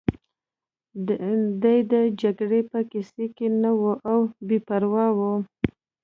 دی د جګړې په کیسه کې نه و او بې پروا و